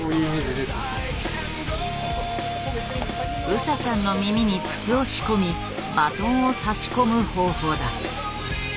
ウサちゃんの耳に筒を仕込みバトンを差し込む方法だ。